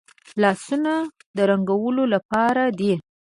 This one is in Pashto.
لاسونه د رنګولو لپاره دي